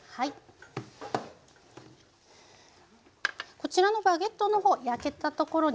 こちらのバゲットの方焼けたところにですね